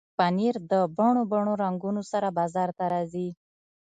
پنېر د بڼو بڼو رنګونو سره بازار ته راځي.